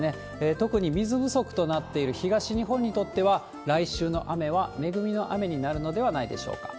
特に水不足となっている東日本にとっては、来週の雨は恵みの雨になるのではないでしょうか。